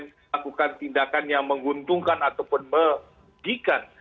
melakukan tindakan yang menguntungkan ataupun merugikan